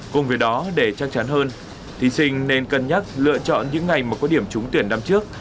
cùng với đó để chắc chắn hơn thí sinh nên cân nhắc lựa chọn những ngày mà có điểm trúng tuyển năm trước